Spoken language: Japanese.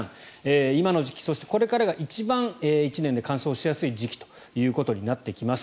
今の時期そしてこれからが一番１年で乾燥しやすい時期となってきます。